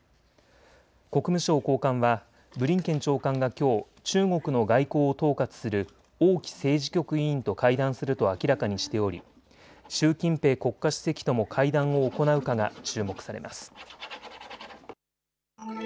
国務省高官はブリンケン長官がきょう中国の外交を統括する王毅政治局委員と会談すると明らかにしており習近平国家主席とも会談を行うかが注目されます。